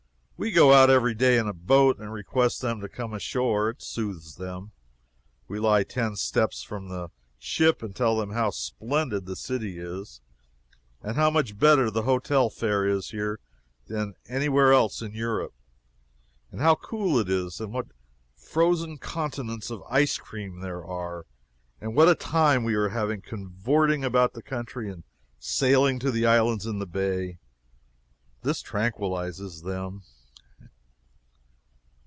We go out every day in a boat and request them to come ashore. It soothes them. We lie ten steps from the ship and tell them how splendid the city is; and how much better the hotel fare is here than any where else in Europe; and how cool it is; and what frozen continents of ice cream there are; and what a time we are having cavorting about the country and sailing to the islands in the Bay. This tranquilizes them.